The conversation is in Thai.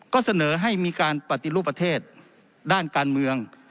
ก็เสนอให้มีการปฏิรูปประเทศด้านการเมือง